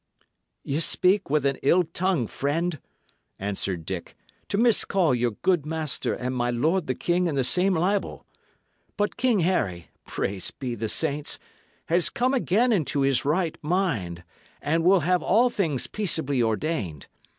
"Ye speak with an ill tongue, friend," answered Dick, "to miscall your good master and my lord the king in the same libel. But King Harry praised be the saints! has come again into his right mind, and will have all things peaceably ordained.